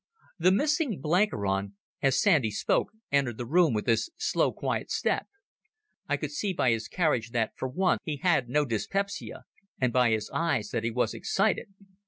The missing Blenkiron, as Sandy spoke, entered the room with his slow, quiet step. I could see by his carriage that for once he had no dyspepsia, and by his eyes that he was excited.